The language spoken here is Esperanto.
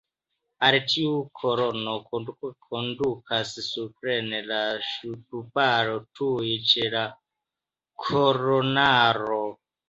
Al tiu kolono kondukas supren la ŝtuparo tuj ĉe la kolonaro.